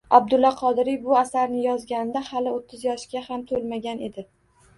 Abdulla Qodiriy bu asarni yozganida hali o‘ttiz yoshga ham to‘lmagan edi.